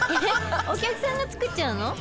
お客さんが作っちゃうの？